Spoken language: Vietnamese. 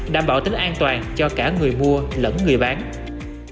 đảm bảo tính an toàn cho cả người mua lẫn người bán